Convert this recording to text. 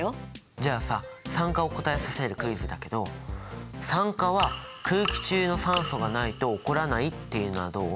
じゃあさ酸化を答えさせるクイズだけど酸化は空気中の酸素がないと起こらないっていうのはどう？